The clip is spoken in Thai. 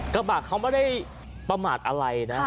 กระบะเขาไม่ได้ประมาทอะไรนะ